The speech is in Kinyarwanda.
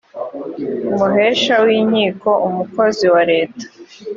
umuhesha w inkiko umukozi wa leta